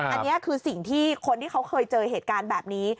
อันนี้คือสิ่งที่คนที่เขาเคยเจอเหตุการณ์แบบนี้